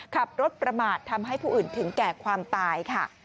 ขับรถประมาททำให้ผู้อื่นถึงแก่ความตายค่ะ